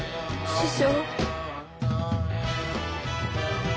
師匠。